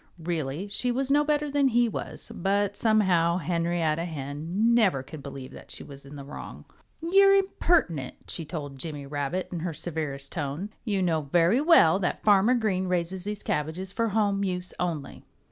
Really she was no better than he was. But somehow Henrietta Hen never could believe that she was in the wrong. "You're impertinent," she told Jimmy [Illustration: Henrietta Hen Scolds Jimmy Rabbit. (Page 62)] Rabbit in her severest tone. "You know very well that Farmer Green raises these cabbages for home use only."